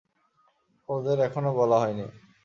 ওদের এখনও বলা হয়নি।